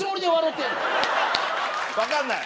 分かんない。